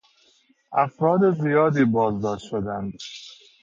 افراد زیادی بازداشت شدند.